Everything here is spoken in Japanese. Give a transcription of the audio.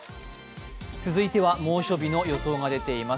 続いては猛暑日の予想が出ています